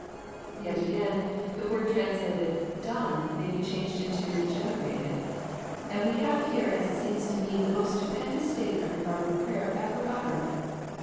Yet again, the word translated " done," may be changed into " generated," and we have here as it seems to me, the most stupendous statement regarding prayer ever uttered.